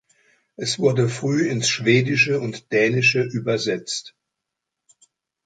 Es wurde früh ins Schwedische und Dänische übersetzt.